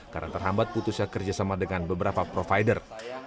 karena terhambat putusnya kerjasama dengan beberapa provider